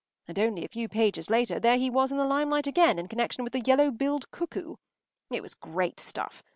And only a few pages later there he was in the limelight again in connection with the yellow billed cuckoo. It was great stuff.